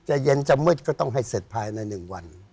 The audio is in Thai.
เย็นจะมืดก็ต้องให้เสร็จภายใน๑วัน